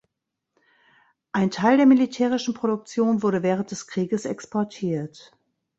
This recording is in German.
Ein Teil der militärischen Produktion wurde während des Krieges exportiert.